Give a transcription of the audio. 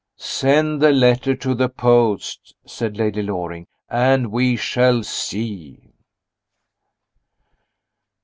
"Send the letter to the post," said Lady Loring, "and we shall see."